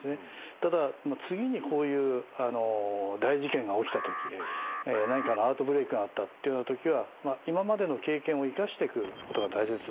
ただ次にこういう大事件が起きた時何かのアウトブレークがあったっていうような時は今までの経験を生かしていくことが大切だと。